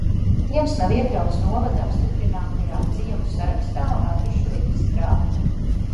Gāršas kā ciems nav iekļauts novada apstiprinātajā ciemu sarakstā un adrešu reģistrā.